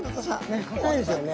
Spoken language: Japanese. ねっかたいですよね。